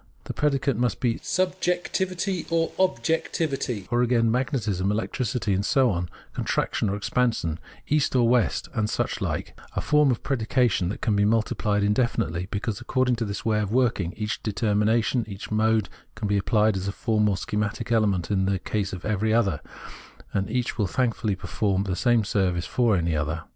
The predicate may be subjectivity or objectivity, or again magnetism, electricity, and so on, contraction or expansion, East or West, and such hke —■ a form of predication that can be multiplied indefinitely, because according to this way of working each deter mination, each mode, can be applied as a form or schematic element in the case of every other, and each will thankfully perform the same service for any other.